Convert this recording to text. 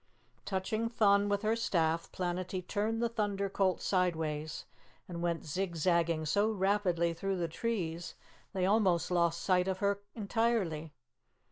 Touching Thun with her staff, Planetty turned the Thunder Colt sideways and went zigzagging so rapidly through the trees they almost lost sight of her entirely.